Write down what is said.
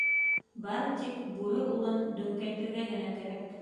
Бары тик бүре улын дөңкәйтергә генә кәрәк.